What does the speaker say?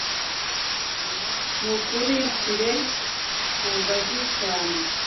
Ntukirukire ku ngazi cyane.